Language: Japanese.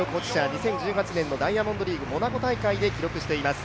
２０１８年のダイヤモンドリーグモナコ大会で記録しています。